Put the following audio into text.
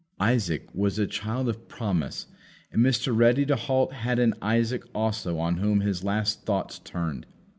Isaac was a child of promise, and Mr. Ready to halt had an Isaac also on whom his last thoughts turned.